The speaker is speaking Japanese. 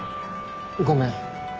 ごめん。